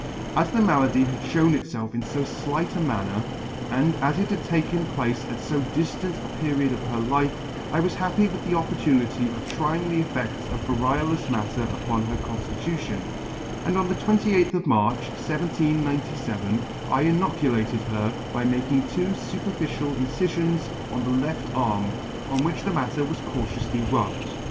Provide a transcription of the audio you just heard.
As the malady had (hewn itfelf in fo flight a manner, and as it had taken place at fo didant a period of her life, I was happy with the opportunity of trying the effedts of variolous matter upon her conditution, and on the 28th of March, 1797, I D 2 inoculated [ 2 °] inoculated her by making two fuperficial incifions on the left arm, on which the matter was cautioufly rubbed.